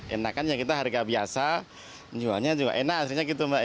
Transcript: enak kan kita harga biasa jualnya juga enak